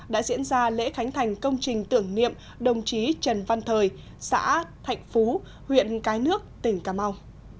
đã diễn ra lễ khánh thành công trình tưởng niệm đồng chí trần văn thời xã thạnh phú huyện cái nước tỉnh cà mau